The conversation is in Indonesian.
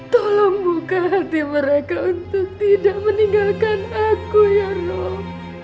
tolong buka hati mereka untuk tidak meninggalkan aku ya roh